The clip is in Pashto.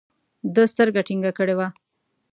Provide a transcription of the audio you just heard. ده سترګه ټينګه کړې وه.